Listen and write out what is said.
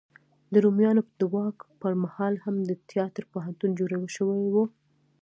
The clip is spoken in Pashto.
د رومیانو د واک په مهال هم د تیاتر پوهنتون جوړ شوی و.